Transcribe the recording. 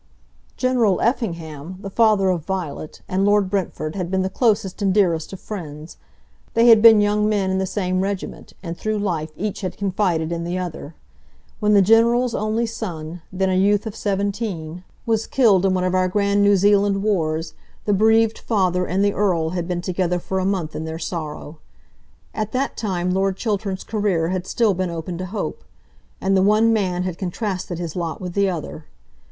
General Effingham, the father of Violet, and Lord Brentford had been the closest and dearest of friends. They had been young men in the same regiment, and through life each had confided in the other. When the General's only son, then a youth of seventeen, was killed in one of our grand New Zealand wars, the bereaved father and the Earl had been together for a month in their sorrow. At that time Lord Chiltern's career had still been open to hope, and the one man had contrasted his lot with the other.